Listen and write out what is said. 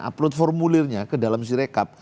upload formulirnya ke dalam si rekap